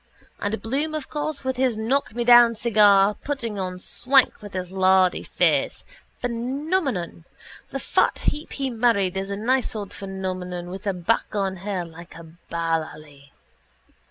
And Bloom, of course, with his knockmedown cigar putting on swank with his lardy face. Phenomenon! The fat heap he married is a nice old phenomenon with a back on her like a ballalley.